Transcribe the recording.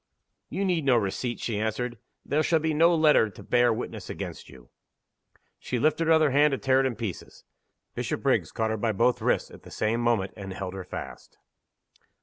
"You need no receipt," she answered. "There shall be no letter to bear witness against you!" She lifted her other hand to tear it in pieces. Bishopriggs caught her by both wrists, at the same moment, and held her fast.